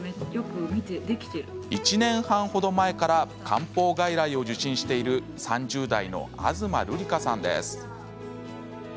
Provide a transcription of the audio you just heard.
１年半ほど前から漢方外来を受診している３０代の東瑠里香さんです。